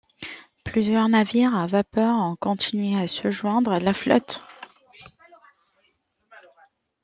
Plusieurs navires à vapeur ont continué à se joindre à la flotte.